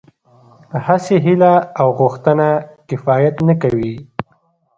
هسې هيله او غوښتنه کفايت نه کوي.